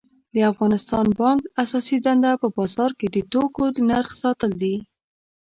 د افغانستان بانک اساسی دنده په بازار کی د توکو د نرخ ساتل دي